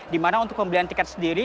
dimana untuk pembelian tiket sendiri